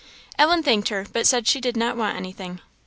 Ellen thanked her, but said she did not want anything.